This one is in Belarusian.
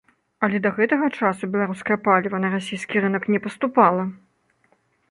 Але да гэтага часу беларускае паліва на расійскі рынак не паступала.